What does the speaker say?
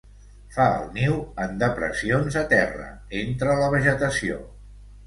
Fa el niu en depressions a terra, entre la vegetació.